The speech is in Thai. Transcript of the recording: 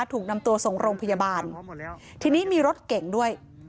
ถูกนำตัวส่งโรงพยาบาลทีนี้มีรถเก่งด้วย